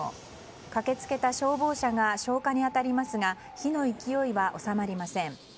駆け付けた消防車が消火に当たりますが火の勢いは収まりません。